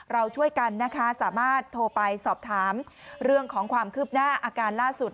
เราช่วยกันนะคะสามารถโทรไปสอบถามเรื่องของความคืบหน้าอาการล่าสุด